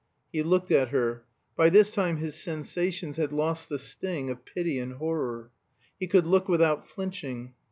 He looked at her. By this time his sensations had lost the sting of pity and horror. He could look without flinching.